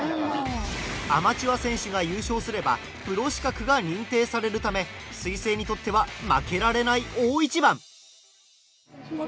アマチュア選手が優勝すればプロ資格が認定されるため彗星にとっては負けられない大一番。